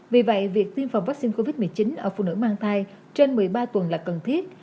vì vậy việc tiêm phòng vaccine covid một mươi chín ở phụ nữ mang thai trên một mươi ba tuần là cần thiết